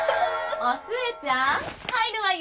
・お寿恵ちゃん入るわよ！